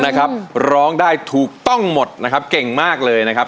นะครับร้องได้ถูกต้องหมดนะครับเก่งมากเลยนะครับ